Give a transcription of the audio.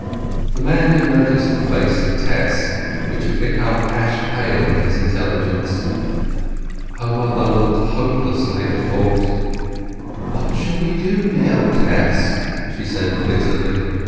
The man had noticed the face of Tess, which had become ash pale at his intelligence. Her mother looked hopelessly at fault. "What shall we do now, Tess?" she said bitterly.